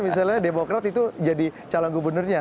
misalnya demokrat itu jadi calon gubernurnya